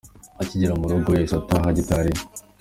Akigera mu rugo, yahise ataha Gitari ye.